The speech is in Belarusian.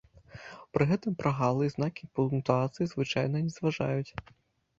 Пры гэтым прагалы і знакі пунктуацыі звычайна не зважаюць.